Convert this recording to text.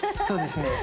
そうですね